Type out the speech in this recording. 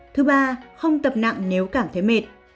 thứ ba không tập nặng nếu cảm thấy mệt